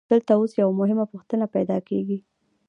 خو دلته اوس یوه مهمه پوښتنه پیدا کېږي